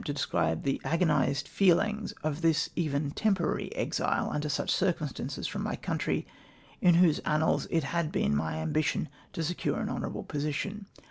to describe the ao onisecl fecliiifi s of this even tern poraiy exile under siicli circiinistaiices from my country, in whose annals it had been my ambition to secure an honourable position.